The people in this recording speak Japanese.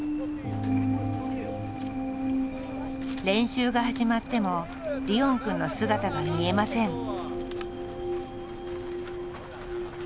練習が始まってもリオンくんの姿が見えません。